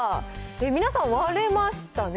皆さん、割れましたね。